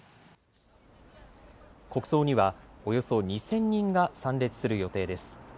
国葬にはおよそ２０００人が参列する予定です。